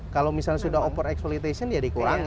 kalau misalnya sudah over exploitation ya dikurangi